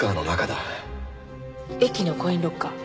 駅のコインロッカー？